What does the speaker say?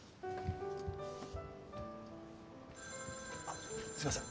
☎あっすいません。